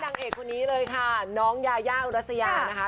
นางเอกคนนี้เลยค่ะน้องยายาอุรัสยานะคะ